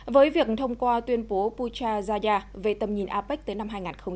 với việc thông qua tuyên bố pucha zaya về tầm nhìn apec tới năm hai nghìn hai mươi